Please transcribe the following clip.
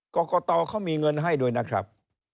กรกตเขามีเงินให้ด้วยนะครับ